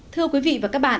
thưa quý vị và các bạn